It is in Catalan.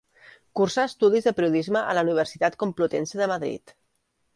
Cursà estudis de periodisme a la Universitat Complutense de Madrid.